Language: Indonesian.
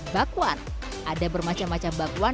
bakwan ada bermacam macam bakwan